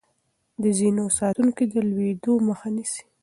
د زينو ساتونکي د لوېدو مخه نيسي.